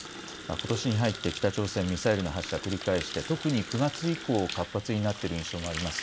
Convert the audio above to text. ことしに入って北朝鮮、ミサイルの発射を繰り返して特に９月以降、活発になっいる印象もあります。